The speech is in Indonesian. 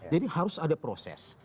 jadi harus ada proses